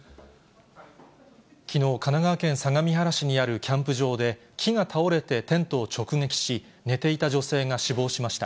きのう、神奈川県相模原市にあるキャンプ場で、木が倒れてテントを直撃し、寝ていた女性が死亡しました。